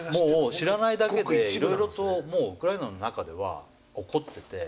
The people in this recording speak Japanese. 知らないだけでいろいろともうウクライナの中では起こってて。